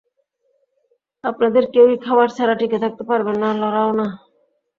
আমাদের কেউই খাবার ছাড়া টিকে থাকতে পারবে না, লরাও না!